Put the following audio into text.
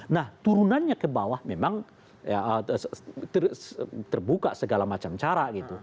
nah turunannya ke bawah memang terbuka segala macam cara gitu